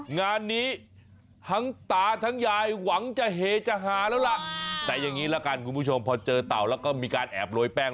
งานนี้ทั้งตาทั้งยายหวังจะเฮจะหาแล้วล่ะแต่อย่างนี้ละกันคุณผู้ชมพอเจอเต่าแล้วก็มีการแอบโรยแป้ง